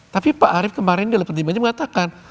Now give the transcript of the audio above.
tapi pak arief kemarin dalam pertimbangannya mengatakan